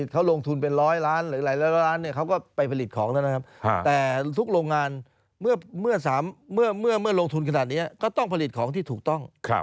เขาลงทุนเป็นร้อยล้านหรือหลายร้อยล้านเขาก็ไปผลิตของแล้วนะครับแต่ทุกโรงงานเมื่อลงทุนขนาดนี้ก็ต้องผลิตของที่ถูกต้อง